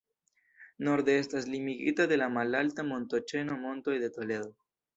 Norde estas limigita de la malalta montoĉeno Montoj de Toledo.